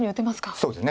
そうですね。